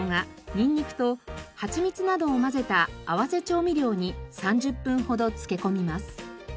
にんにくとはちみつなどを混ぜた合わせ調味料に３０分ほどつけ込みます。